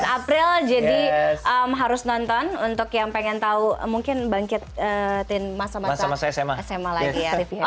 sembilan belas april jadi harus nonton untuk yang pengen tau mungkin bangkit masa masa sma lagi ya